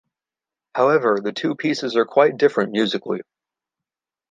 However, the two pieces are quite different musically.